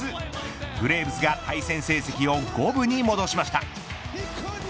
ブレーブスが対戦成績を五分に戻しました。